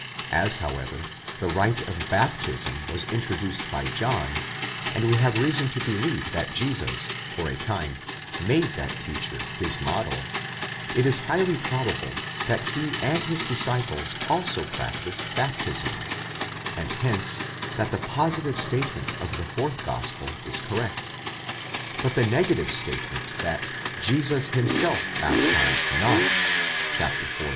As, however, the rite of baptism was introduced by John, and we have reason to believe that Jesus, for a time, made that teacher his model, it is highly probable that he and his disciples also practised baptism, and hence that the positive statement of the fourth gospel is correct. But the negative statement that Jesus himself baptised not (iv.